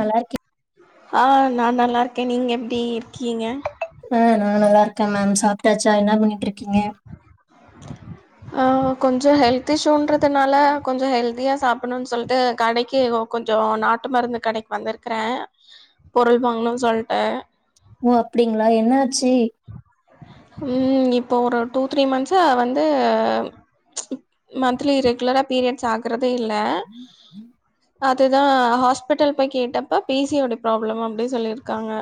நல்லாருக்கே ஆ நா நல்லா இருக்கே நீங்க எப்டி இருக்கீங்க ஆ நா நல்லாருக்கே மேம் சாப்புட்டாச் நா என்னா பண்ணி டிரீக்கியோ ஆ கொஞ்ச ஹெல்த் இஷூன்றதுனால கொஞ்ச ஹெல்தியா சாப்புணுன் சொல்லிட்டு கடைக்கு கொஞ்ச நாட்டு மருந்து கடைக்கு வந்துருக்கறே பொருள் வாங்கணுன் சொல்லிட்டு ஓ அப்புடிங்ளா என்னாச்சு ம் இப் இப்போ ஒரு டூ த்ரீ மந்த்ஸா வந்து மந்த்லி ரெகுலராக பீரியட்ஸ் ஆகுறது தே இல்ல அதுதா ஹாஸ்பெட்டல் போய் கேட்டப்ப பிசியோடி பிராப்ளம் அப்டி சொல்லிருக்காங்க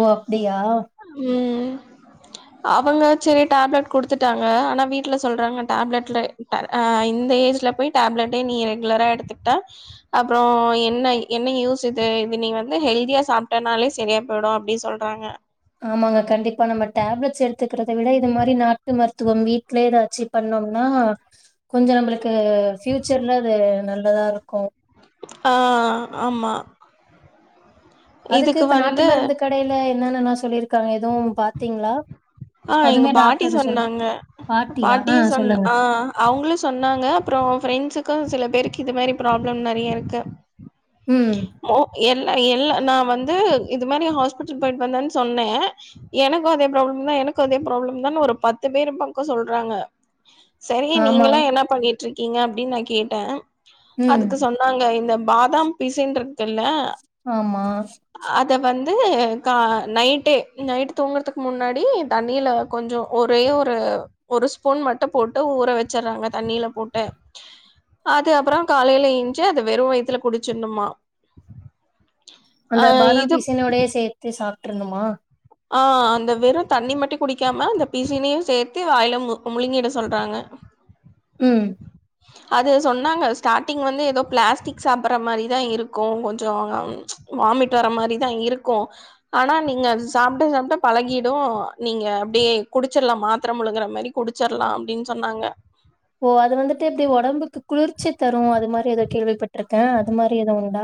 ஓ அப்டியா ம் அவுங்க சரி டேப்லெட் குடுத்துட்டாங்க ஆனா வீட்ல சொல்றாங்க டேப்லெட்ல ஆ ஹ இந்த ஏஜ்ல போய் டேப்லெட்டே நீ ரெகுலரா எடுத்துக்கிட்ட அப்புறம் என்ன என்ன யூஸ் இது இது நீ வந்து ஹெல்தியா சாப்டனாலே சரியா போயிடும் அப்புடின்னு சொல்றாங்க ஆமாங்க கண்டிப்பா நம்ம டேப்லெட்ஸ் எடுத்துக்கறத விட இது மாரி நாட்டு மருத்துவம் வீட்லே எதாச்சி பண்ணோம்னா கொஞ்ச நம்மளுக்கு ஃபியூச்சர்ல அது நல் ல இருக்கும் ஆ ஆமா அதுக்கு இதுக்கு இப்ப நாட்டு வந்து மருந்து கடைல என்ன நா சொல்லிருக்காங்க எதுவும் பாத்தீங்களா ஆ எங்க அதுமே பாட்டி டாக்டர் சொல்லு சொன்னாங்க பாட்டியா ஆ பாட்டியும் சொன் சொல்லுங்க ஆ அவங்களும் சொன்னாங்க அப்புற ஃப்ரண்ட்ஸுக்கு சில பேருக் இது மாரி பிராப்ளம் நெறைய இருக்கு ம் ஓ என் இல்ல நா வந்து இது மாரி ஹாஸ்பிட்டல் போயிட்டு வந்தன் சொன்னே எனக்கு அதே ப்ராப்ளம் தா எனக் கு அதே ப்ராப்ளம் தான் ஒரு பத்து பேரு பக்கொ சொல்றாங்க சரி நீங்கல்லா ஆமாங் என்னா பண்ணிட்ருக் கீங்க அப்டின் நா கேட்டே ம் அதுக்கு சொன்னாங்க இந்த பாதாம் பிசின்ருக்குல்ல ஆமா து கா நைட்டே நைட்டு தூங்கற்துக்கு முன்னாடி தண்ணில கொஞ்சொ ஒரே ஒரு ஒரு ஸ்பூன் மட்டு போட்டு ஊற வச்சறாங்க தண்ணில போட்டு அது அப்பறொ காலைல ஏஞ்சு அது வெறு வயித்துல குடுச்சற்னுமா அந்த பாதாம் பிசினோடயே சேத்து சாப் ட்றனுமா ஆ அந்த வெறு தண்ணி மட்டு குடிக்காம அந்த பிசினையு சேத்து வாயில மு முழுங்கிட சொல்றாங்க ம் அது சொன்னாங்க ஸ்டார்டிங் வந்து எதோ பிளாஸ்டிக் சாப்பற மாரிதா இருக்கு கொஞ்சொ வாமிட் வர மாரிதா இருக்கு ஆனா நீங்க அது சாப்ட சாப்ட பழகிடு நீங்க அப்டியே குடுச்சர்லா மாத்ர முழுங்குற மாரி குடுச்சர்லா அப்டின் சொன்னாங்க து ஒடம்புக்கு குளிர்ச்சி தரு அது மாரி எதோ கேள்விப்பட்ருக்கே அது மாரி எது உண்டா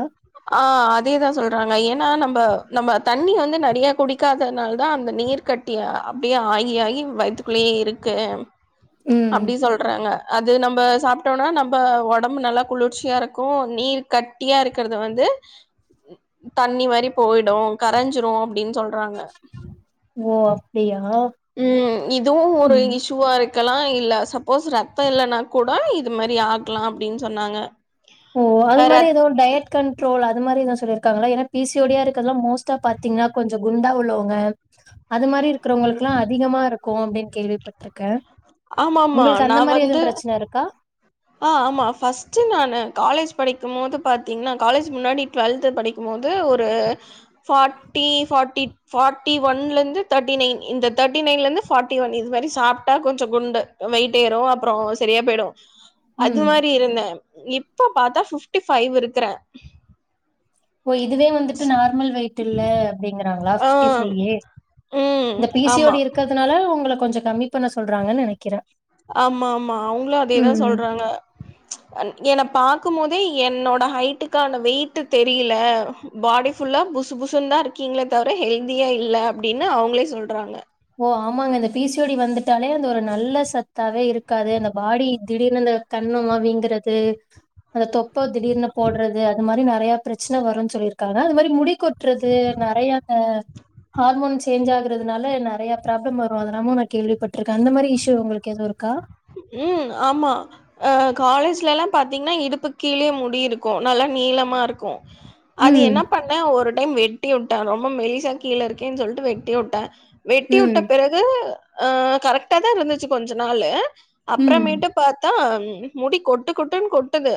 ஆ அதேதா சொல்றாங்க ஏன்னா நம்ப நம்ம தண்ணி வந்து நறைய குடி காதனால் தா அந்த நீர் கட்டி அப்டியே ஆயி ஆயி வயித்துக்குள்ளயே இருக்கு ம் அப்டி சொல்றாங்க அது நம்ப சாப்டோனா நம்ப ஒடம்பு நல்லா குளிர்ச்சியா இருக்கு நீர் கட்டியா இருக் கற்து‌ வந்து தண்ணி மாரி போயிடு கரஞ்சிரு அப்டின் ஓ நீயா ம் இதுவு ஒரு இஷுவா இரு க்கலா இல்ல சப்போஸ் ரத்தொ இல்லன்னா கூட இது மாரி ஆகலா அப்டின் சொன்னாங்க ஓ அது அ மாரி ரத் எதோ டயட் கன்ட்ரோல் அது மாரி எதா சொல்லிருக்காங்கலா ஏனா பி சி ஓ டி யா இருக்கதுல்லா மோஸ்ட்டா பாத்தீங்னா கொஞ்சொ குண்டா உள்ளவுங்க அது மாரி இருக்குறவுங்களுக்லா அதிகமா இரு க்கு அப்டின் கேள்விப்பட்ருக்கே ஆமாமா உங்களுக்கு நா அந்த மாரி வந்து எதுவு பிரச்சன இருக்கா அ ஆமா ஃபஸ்ட்டு நானு காலேஜ் படிக்கும் போது பாத்தீங்னா காலேஜ் முன்னாடி ட்வெல்த்து படிக்கும் போது ஒரு ஃபார்ட்டி ஃபார்ட்டி ஃபார்ட்டி ஒன்லந்து தேட்டி நைன் இந்த தேட்டி நைன்லெந்து ஃபார்ட்டி ஒன் இது மாரி சாப்டா கொஞ்சொ குண்டு வெயிட் ஏறு அப்றோ சரியா போயிடு அது ம் மாரி இருந்தே இப்ப பாத்தா ஃபிப்டி ஃபைவ் இருக்குறே ஓ இதுவே வந்துட்டு நார்மல் வெயிட் இல்ல அப்படிங்குறாங்களா ஆ ஃபிப்ட்டி ஃபைவ்வே ம் இந்த பீ சி ஆமா. ஓடி இருக்குறதுனால ஒங்களுக்கு கொஞ்ச கம்மி பண்ண சொல்றாங்கன் நெனக்குறே ஆமா ஆமா அவுங்களு அதேதா சொல்றாங்க என்ன பா பாக்கும் போதே என்னோட ஹைட்டுக்கான வெய்டு தெரியல பாடி ஃபுல்லா புசு புசுனு தா இருக்கீங்களே தவிர ஹெல்தியா இல்ல அப்டின்னு அவுங்களே சொல்றாங்க ஓ ஆமாங்க இந்த பி சி ஓடி வந்துட்டாலே அந்த ஒரு நல்ல சத்தாவே இருக்காது அந்த பாடி திடீர்னு அந்த கண்ணமா வீங்குறது அந்த தொ இப்போ திடீர்னு போடுறது அது மாரி ந நெறய பிரச்சன வருனு சொல்லிருக்காங்க அது மாரி முடி கொட்றது நெறய ஹார்மோன் சேஞ்ச் ஆகுறதுனால நெறய ப்ராபளம் வரு அதெல்லாமு நா கேள்விப்பட்டிருக்கே அந்த மாதிரி இஷ்யு உங்களுக்கு எதுவு இருக்கா உம் ஆமா அ காலேஜ்ல எல்லா பாத்தீங்கன்னா இடுப்பு கீழேயே முடிருக்கு நல்லா நீளமா இருக்கு அத ம், என்ன பண்ணே ஒரு டைம் வெட்டி விட் ரொம்ப மெல்லிசா கீழ இருக்கேன்னு சொல்ட்டு வெட்டி விட்டே வெட்டி ம், விட்ட பிறகு அ கரெக்டா தா இருந்துச்சு கொஞ்ச நாளு ம். அப்பறமேட்டு பாத்தா உம் முடி கொட்டு கொட்டுன்னு கொட்டுது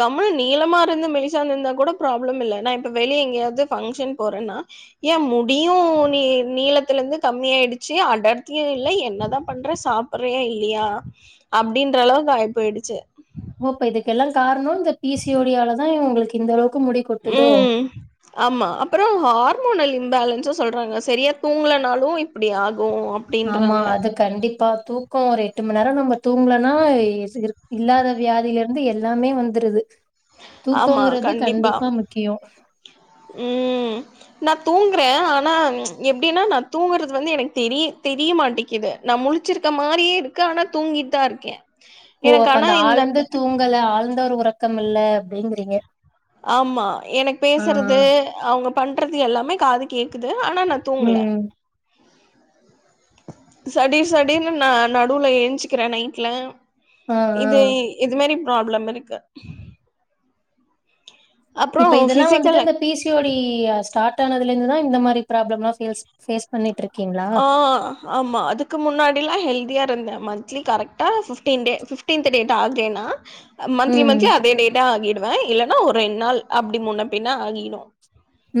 கம்மு நீளமா இருந்து மெலிசா இருந்திருந்தா கூட ப்ராப்ளம் இல்ல நா இப்ப வெளிய எங்கேயாவது பங்ஷன் போறேன்னா ஏ முடியு நீ நீளத்தல இருந்து கம்மிய ஆயிடுச்சு அடர்த்தியு இல்ல என்னதான் பண்ற சாப்டுறியா இல்லையா அப்டீன்ற அளவுக்கு ஆய் போயிடுச்சு ஓ அப்ப இதுக்கெல்லா காரணோ பி சி ஓடி ஆளதா அதா உங்களுக்கு இந்த அளவுக்கு முடி கொட்டுதோ? உம் ஆமா அப்றோ ஹார்மோன்ல்ல பேலன்ஸ்ச சொல்றாங்க சரியா தூங்கனாலு இப்டி ஆகு ஆமா அப்டின்றாங்க அது கண்டிப்பா தூக்கோ ஒரு எட்டு மணி நேரோ நம்ம தூங்கலனா இல்லாத வியாதில இருந்து எல்லாமே வந்துருது ஆமா தூக்கோங்கிறது கண்டிப்பா முக்கியோ உம் நா தூங்குறே ஆன ஆனா எப்டினா நா தூங்குறது வந்து எனக்கு தெரிய தெரிய மாட்டேக்குது நா முழுச்சிருக்க மாரியே இருக்கு ஆனா தூங்கிட்டு தா இருக்கே ஓ எனக்கு அப்ப ஆனா அந்த இந்த ஆழ்ந்த தூங்கல ஆழ்ந்த ஒரு ஒரு தொடக்கம் இல்ல அப்டிங்குறீங்க ஆமா எனக்கு பேசுறது அவுங்க பண்றது எல்லாமே காது கேக்குது ஆனா நா தூங்கல ம் சடிர் சடிர்னு நா நடுவுல எழுஞ்சுக்குறே நைட்ல ஆ ஆ இது இது மாரி ப்ராப்ளம் இருக்கு அப்றோ இப்ப இதெல்லா வந்துட்டு ஃபிசிக்கல் அந்த பி சி ஓடி ஸ்டாட் டானதுலிருந்துதா இந்த மாரி பிராபிளம் எல்லா கேல்ஸ் ஃபேஸ் பண்ணிட்ருக் ஆ ஆமா அதுக்கு முன்னாடி எல்லா ஹெல்தியா இருந்த மந்த்லி கரெக்டா பிஃப்டீன் டே பிஃப்டீன்த்து டேதா ஆகுறேன்னா மந்த்லி ம் மந்த்லி அதே டேதா ஆகிடுவ இல்ல ல்லனா ஒரு ரெண் நாள் அப்டி முன்ன பின்ன ஆகிடு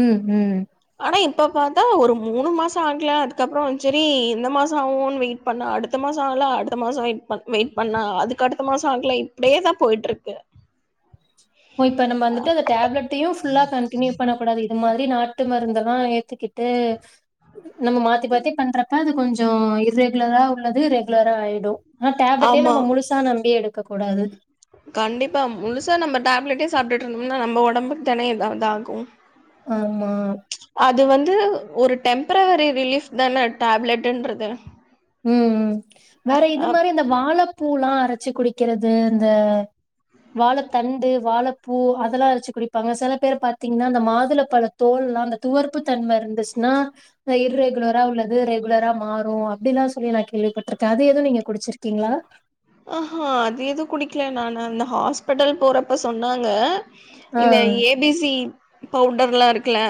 ம் ம் ஆனா இப்ப பாத்தா ஒரு மூணு மாசோ ஆகுல அதுக்கப்புறோ சேரி இந்த மாசோ ஆகுன் வெயிட் பண்ண அடுத்த மாசோ ஆகல அடுத்த மாசோ வெயிட் வெயிட் பண்ண அதுக்கு அடுத்த மாசோ ஆகல இப்டியேதா போயிட்ருக்கு ஓ இப்ப நம்ம வந்துட்டு அந்த டேப்லெட்டையு ஃபுல்லா கண்டினியூ பண்ணக்கூடாது இந்த மாதிரி நாட்டு மருந்தெல்லா ஏத்துக்கிட்டு நம்ம மாத்தி மாத்தி பண்றப்ப அது கொஞ்சோ ர்ரெகுலரா உள்ளது ரெகுலரா ஆயிடு ஆனா டேப்லெட்டே ஆமா நம்ம முழுசா நம்பி எடுக் எடுக்கக் கூடாது கண்டிப்பா முழுசா நம்ம டேப்லெட்டே சாப்டுட்டு இருந்தோம்னா நம்ம ஒடம்புக்கு தானே எதா இது ஆகு ஆமா அது வந்து ஒரு டெம்பரவரி ரிலீஃப் தான டேப்லெட்ன்றது ம் வேற இது மாரி இந்த வாழப்பூலா அரச்சு குடிக்கிறது இந்த வாழத்தண்டு வாழப்பூ அதெல்லா அரச்சு குடிப்பாங்க செல பேர் பாத்தீங்கன்னா அந்த மாதுள பழத் தோல்லா அந்த துவர்பு தன்மைஇருந்துச்சுன்னா இர்ரெகுலரா உள்ளது ரெகுலரா மாறு அப்டில்லாஸ் சொல்லி நா கேள்விப்பட்ருக்க அது எதுவு நீங்க குடுச்சுருக்கீங்களா ஆஹா அது எது குடிக்கல நானு அந்த ஹாஸ்பிட்டல் போறப்ப சொன்னாங்க ஆ இந்த ஏ பி சி பவுடர்ல்லா இருக்குல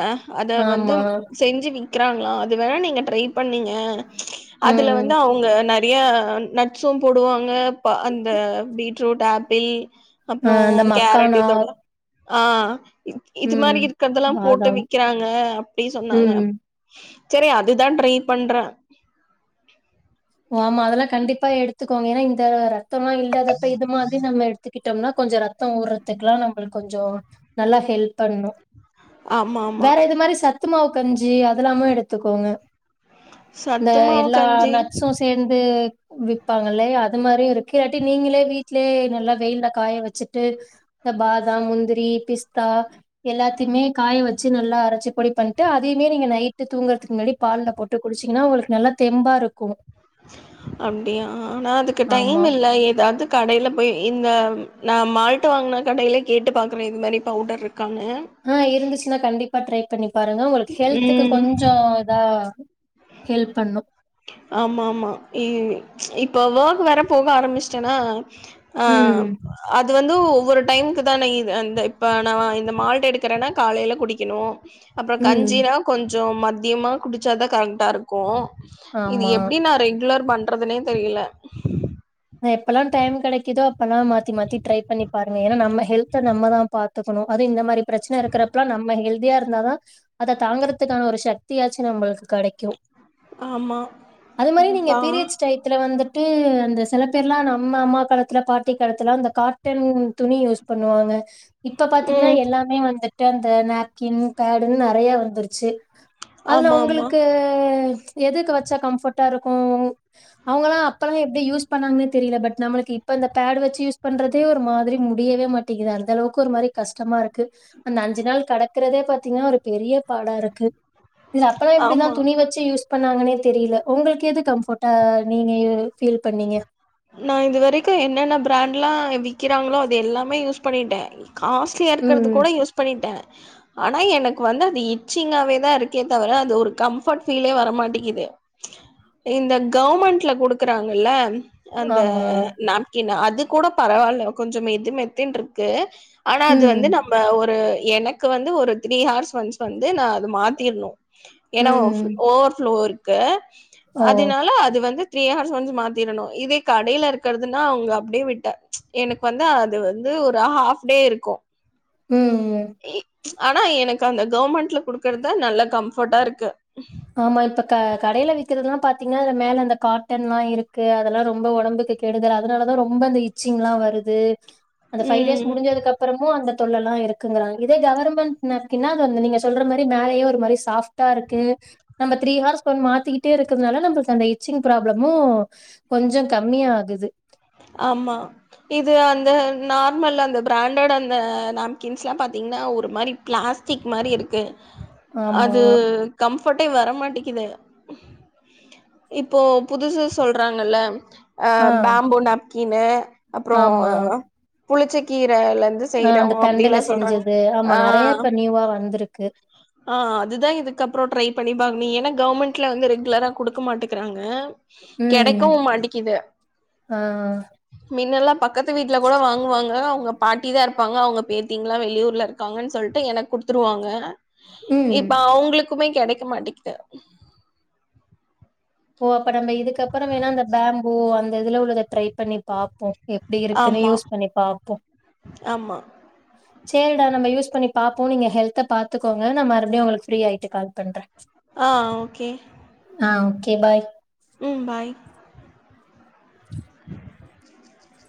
அத வந்து ஆமா செஞ்சு விங் விக்குறாங்களா அது வேணா நீங்க ட்ரை பண்ணிங்க அதுல ம் வந்து அவங்க நற் நறையா நட்ஸும் போடுவாங் ங்க ப அந்த பீட்ரூட் ஏப்பிள் அ அந்த மக்கானா ஆ இது மாரி ம் இருக்குறதெல்லாம் போட்டு பாதாம் விக்கிறாங்க அப்டின் சொன்னாங்க ம் சேரியா அதுதா ட்ரை பண்ற ஆமா அதெல்லா கண்டிப்பா எடுத்துக்கோங்க ஏனா இந்த ர இரத்தமு இல்லாத அப்ப இது மாதிரி நம்ம எடுத்துக் கிட்டோம்னா கொஞ்சோ ரத்தோ ஊறதுக்கெல்லா நம்ளுக் கொஞ்சோ நல்லா ஹெல்ப் பண்ணு ஆமா ஆமா வேற இது மாரி ச த்துமா கஞ்சி அதெல்லாமு எடுத்துக்கோங்க சத்துமாவு கஞ்சி ந்து விப்பாங்கல்லியா அது மாரியு இருக்கு இல்லாட்டி நீங்களே வீட்லயே நல்லா வெயில காய வச்சுட்டு இந்த பாதாம் முந்திரி பிஸ்தா எல்லாத்திமே காய வச்சு நல்லா அரைச்சி பொடி பண்ணிட்டு அதையுமே நீங்க நைட்டு தூங்குறதுக்கு முன்னாடி பால்ல போட்டு குடிச்சீங்கன்னா உங்களுக்கு நல்லா தெம்பா இருக்கு அப்பிடியா ஆனா அதுக்கு டைம் ஆமா இல்ல ஏதாது கடையில போய் இந்த நா மால்ட்டு வாங்கினா கடையிலே கேட்டு பாக்குறே இது மாரி பவுடர் இருக் ஆ இருந்துச்சுன்னா கண்டிப் ப்பா ட்ரை பண்ணிப் பாருங்க உங்களுக்கு ஹெல்த்துக்கு ம் கொஞ்சோ இதா ஹெல்ப் பண்ணு ஆமா ஆமா இ இப் ப்போ ஒர்க் வேற போக ஆரம்மிச்சட்டன்னா அ ம் அது வந் ந்து ஒவ்வொரு டைமுக்குதா இது இந்த இப்ப ஆனா வா இந்த மால்ட் எடுக்கிறேன்னா காலையில குடிக்கனு அப்புறோ ம் கஞ்சினா கொஞ்ச் சோ மத்தியமா குடிச்சாதா கா ட்டா இருக்கோ இது ஆமா எப்பிடி நா ரெகுலர் பண்றதுனே தெரியல எப்பெல்லா டைம் கெடைக்குதோ அப் ப்பன்னா மாத்தி மாத்தி ட்ரை பண்ணி பாருங்க ஏன்னா நம்ம ஹெல்த நம்மதா பாத்துக்கனோ அது இந்த மாரி பிரச்சன இருக்கிறப்பல்லா நம்ம ஹெ்த் ஹெல்தியா இருந்த தா அத தாங்குறதுக்கான ஒரு சத்தியாச்சு நம்பளுக்கு கடைக்கு ஆமா அது மாரி நீங்க பா பீரியட்ஸ் டையத்துல வந்து ட்டு அந்த சில பேர்லா நம்ம அம்மா காலத்துல பாட்டி காலத்துல அந்த காட்டன் துணி யூஸ் பண்ணுவாங்க இப்ப பாத்தீங்கன்னா ம் எல்லாமே வந்து ட்ட அந்த நாப்கின் பேடுன்னு நெறைய வந்துருச்சி அதுல ஆமா ஆமா உங்களுக்கு எதுக்கு வச்சா கம்ஃபர்ட்டா இருக்கோ அவங்கல்லா அப்பெல்லா எப்பிடி யூஸ் பண்ணாங்கன்னே தெரியல பட் நம்மளுக்கு இப்ப அந்த பேட் வச்சி யூஸ் பண்றதே ஒரு மாதிரி முடியவேமாட்டேங்குது அந்த அளவுக்கு ஒரு மாரி கஷ்டமா இருக்கு அந்த அஞ்சு நாள் கடக்குறதே பாத்தீங்கன்னா ஒரு பெரிய பாடா இருக்கு இதுல அப்போல்லா இப்டிதா ஆமா துணி வெச்சு யூஸ் பன்னாங்கனே தெரியில உங்களுக்கு எது கம்ஃபர்ட்டா நீங்க ஃபீல் பண்ணீங்க நா இது வரைக்கு என்னென்ன பிராண்ட்லா விக்கிறாங்களோ அது எல்லாமே யூஸ் பண்ணிட்ட காஸ்ட்லியா இருக்குறது ம் கூட யூஸ் பண்ணிட்ட ஆனா எனக் கு வந்து அது இச்சிங்காவே தா இருக்கே தவுர அது ஒரு கம்பர்ட் ஃபிலே வர மாட்டிங்குது இந்த கவர்மெண்ட்ல குடுக்குறாங்கல்ல அந்த ஆமா நேப்கின் அது கூட பரவால்ல கொஞ்சோ மெதுமெத்துனு இருக்கு ஆனா அது ம் வந்து நம்ம ஒரு எனக்கு வந்து ஒரு த்ரீ ஹார்ஸ் ஒன்ஸ் வந்து நா அது மாத்திர்ணு ஏன்னா ம் ஓவர்ஃப்ளோ இருக் க்க ஓ அதனால அது வந்து த்ரீஹார்ஸ் ஒன்ஸ் மாத்திரணு இது கடைல இருக்குறதுன்னா அவங்க அப்டியே விட்ட எனக்கு வந்து அது வந்து ஒரு ஹாஃப் டே இருக்கு ம் ம் ஆனா எனக்கு அந்த கவர்மெண்ட்ல குடுக்குறதா நல்ல கம்ஃபர்ட்டா இருக்கு ஆமா இப்ப க கடைல விக் இருக்குறதெல்லா பாத்தீங்கன்னா அதுல மேல அந்த காட்டன் எல்லா இருக்கு அதெல்லா ரொம்ப ஒடம்புக்கு கெடுதல் அதனாலதா ரொம்ப அந்த இச்சிங் எல்லா வருது அந்த ஃபைவ் டேஸ் ம் முடுஞ்சதுக்குப்புறமு அந்த தொல்லல்லா இருக்குங்குறாங்க இதே கவர்மெண்ட் நேப்கின்னா அது வந்து நீங்க சொல்ற மாரி மேலயே ஒரு மாரி சாஃப்ட்டா இருக்கு நம்ம த்ரீ ஹவர் ஒண்ண மாத்திக்கிட்டே இருக்குறனால நம்மளுக்கு அந்த இச்சிங் பிராபுளமு கொஞ்சோ கம்மியா ஆகுது ஆமா இது அந்த நார்மல் அந்த பிரேண்டட் அந்த நேப்கின்ஸ்லா பாத்தீங்கன்னா ஒரு மாரி பிளாஸ்டிக் மாரி இருக்கு ஆமா அது கம்ஃபர்ட்டே வரமாட்டேக்குது இப்போ புதுசு சொல்றாங்கல்ல அ ஆ பேம்போ நேப் கின்னு அப்புறோ ஆமா ஃபுள்ச்செக் ல இருந்து ஆ செய்றோ அந்த அப்டில்லா தண்டுல சொல்றாங்க செஞ்சது ஆமா ஆ நெறைய இப்ப நியூவா வந்திருக்கு ஆ அதுதா இதுக்கப்புறோ ட்ரை பண்ணி பாங் நீ ஏன்னா கவர்மெண்ட்ல வந்து ரெகுலராக குடுக்க மாட்டிக்குறாங்க ம் கெடைக்கவு மாட்டிக்குது ஆ மின்னல்லா பக்கத்து வீட்ல கூட வாங்குவாங்க அவங்க பாட்டி தா இருப்பாங்க அவங்க பேத்திங்களா வெளியூர்ல இருக்காங்கன் சொல்ட்டு எனக் குடுத்துருவாங்க ம் இப்ப அவங்களுக்குமே கெடைக்க மாட்டெக்குது போவப் இப்ப நம்ம இதுக்கப்புறோ வேன்னா அந்த பேம்பு அந்த இந்த இதுல உள்ளத ட்ரை பண்ணி பாப்போ எப்டி இருக்குன்னு ஆமா யூஸ் பண்ணி பாப்போ ஆமா சேரிடா நம்ம யூஸ் பன்னி பாப்போ நீங்க ஹெல்த்த பாத்துக்கங்க நா மறுபடியு உங்ளுக்கு ஃப்ரீயாய்ட்டு கால் பண்றே ஆ ஓகே ஆ ஓகே ஏ பாய் உ பாய் [unintelligible]